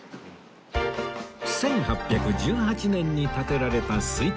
１８１８年に建てられた水天宮